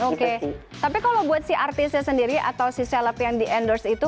oke tapi kalau buat si artisnya sendiri atau si seleb yang di endorse itu